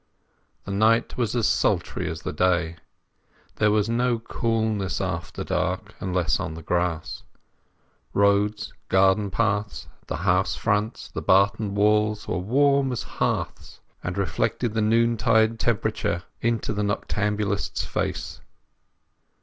The night was as sultry as the day. There was no coolness after dark unless on the grass. Roads, garden paths, the house fronts, the barton walls were warm as hearths, and reflected the noontime temperature into the noctambulist's face.